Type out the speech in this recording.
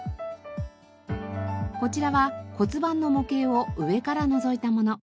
こちらは骨盤の模型を上からのぞいたもの。